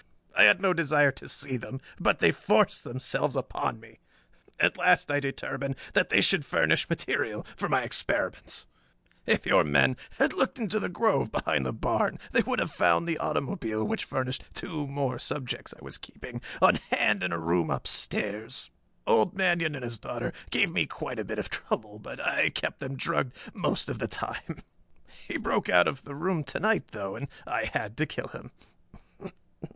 I had no desire to see them, but they forced themselves upon me. At last I determined that they should furnish material for my experiments. "If your men had looked into the grove behind the barn they would have found the automobile which furnished two more subjects I was keeping on hand in a room upstairs. Old Manion and his daughter gave me quite a bit of trouble, but I kept them drugged most of the time. He broke out of the room to night though, and I had to kill him.